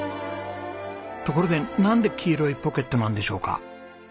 ところでなんで「きいろいポケット」なんでしょうか？